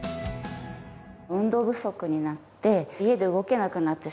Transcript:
運動不足になって家で動けなくなってしまう。